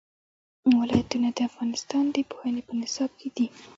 ولایتونه د افغانستان د پوهنې په نصاب کې دي.